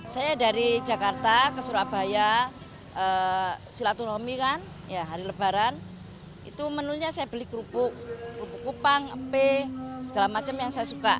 saya dari jakarta ke surabaya silaturahmi kan hari lebaran itu menunya saya beli kerupuk kerupuk kupang empe segala macam yang saya suka